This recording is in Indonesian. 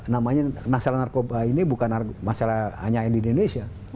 namanya masalah narkoba ini bukan masalah hanya yang di indonesia